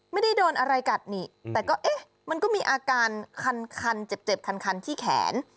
ไม่ได้โดนอะไรกัดนี่แต่ก็เอ๊ะมันก็มีอาการคันเจ็บคันที่แขน